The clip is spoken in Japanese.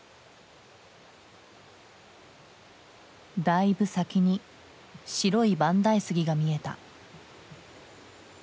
だいぶ先に白い万代杉が見えた。